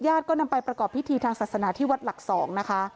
ก็นำไปประกอบพิธีทางศาสนาที่วัดหลัก๒นะคะ